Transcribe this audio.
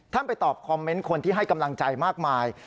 ไปตอบคอมเมนต์คนที่ให้กำลังใจมากมาย